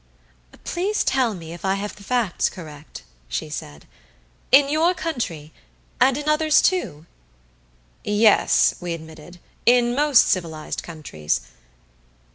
"Please tell me if I have the facts correct," she said. "In your country and in others too?" "Yes," we admitted, "in most civilized countries."